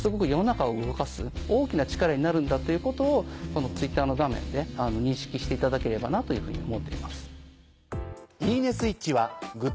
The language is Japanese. んだということをこのＴｗｉｔｔｅｒの画面で認識していただければなというふうに思っています。